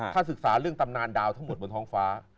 ถ้าศึกษาเรื่องตำนานดาวทั้งหมดบนท้องฟ้า